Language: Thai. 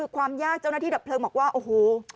ความยากเจ้านาฬิทธิดับเพลิงมาว่าโอ้โฮ